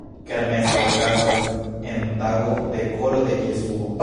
Kermeso okazas en tago de Koro de Jesuo.